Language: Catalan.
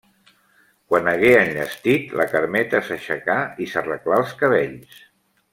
Quan hagué enllestit, la Carmeta s'aixecà i s'arreglà els cabells.